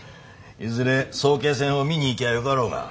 いずれ早慶戦を見に行きゃあよかろうが。